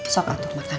sobat tuh makan